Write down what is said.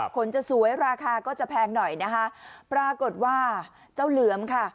คนจะสวยราคาก็จะแพงหน่อยนะคะปรากฏว่าเจ้าเหลือมค่ะ